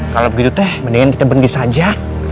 kalau begitu teh mendingan kita bengkis aja